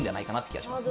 気はします。